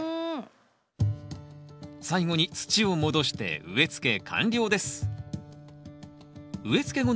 最後に土を戻して植えつけ完了です